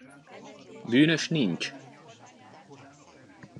Bűnös nincs!